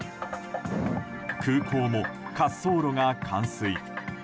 空港も滑走路が冠水。